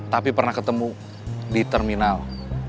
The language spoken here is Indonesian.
tapi pernah ketemu di terminal